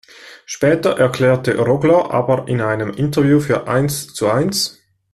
Später erklärte Rogler aber in einem Interview für "Eins zu Eins.